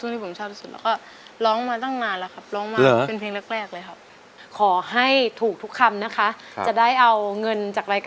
หัวหลวงปู่ถวัดวัดช้างให้